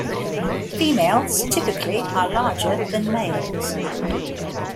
Females typically are larger than males.